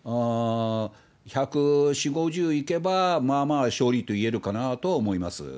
１４０、５０いけばまあまあ勝利といえるかなと思います。